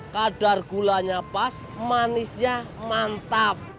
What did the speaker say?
kadar gulanya pas manisnya mantap